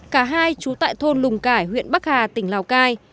cả hai trú tại thôn lùng cải huyện bắc hà tỉnh lào cai